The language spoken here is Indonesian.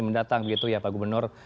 mendatang begitu ya pak gubernur